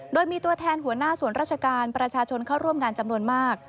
โดยมีตัวแทนหัวหน้าส่วนราชการประชาชนเข้าร่วมงานจำนวนมาก